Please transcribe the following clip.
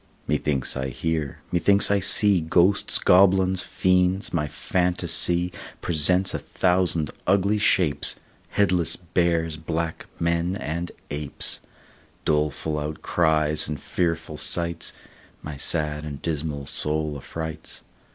Methinks I hear, methinks I see Ghosts, goblins, fiends; my phantasy Presents a thousand ugly shapes, Headless bears, black men, and apes, Doleful outcries, and fearful sights, My sad and dismal soul affrights.